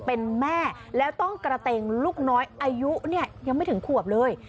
เป็นแม่แล้วต้องกระเต็งลูกน้อยอายุเนี่ยยังไม่ถึงขวบเลย